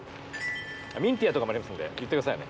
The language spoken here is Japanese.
ミンティアとかもありますので言ってくださいね。